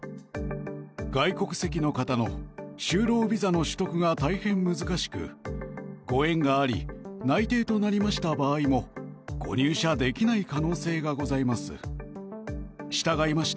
外国籍の方の就労ビザの取得が大変難しくご縁があり内定となりました場合もご入社できない可能性がございます。